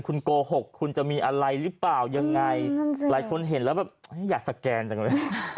คุณโกหกคุณจะมีอะไรหรือเปล่ายังไงหลายคนเห็นแล้วแบบอยากสแกนจังเลย